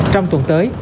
trong tuần tới